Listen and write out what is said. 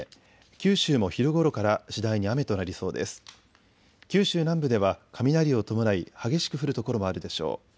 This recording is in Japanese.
九州南部では雷を伴い激しく降る所もあるでしょう。